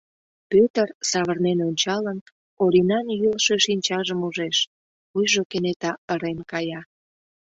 Пӧтыр, савырнен ончалын, Оринан йӱлышӧ шинчажым ужеш, вуйжо кенета ырен кая.